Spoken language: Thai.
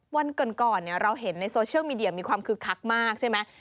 วันก่อนเราเห็นในโซเชียลมีเดียมีความคึกคักมากใช่ไหม